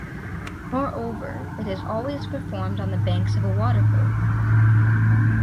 Moreover, it is always performed on the banks of a water-hole.